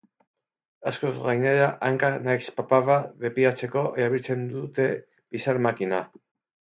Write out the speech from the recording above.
Askok gainera, hankak nahiz paparra depilatzeko erabiltzen dute bizar-makina.